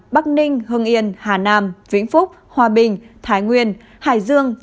bắc ninh hưng yên hà nam vĩnh phúc hòa bình thái nguyên